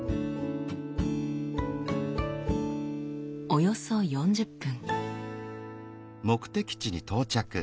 およそ４０分。